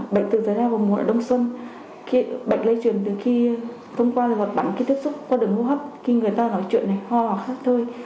bệnh từng xảy ra vào mùa đông xuân bệnh lây truyền từ khi thông qua hoạt bắn khi tiếp xúc qua đường hô hấp khi người ta nói chuyện này ho ho khác thôi